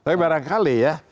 tapi barangkali ya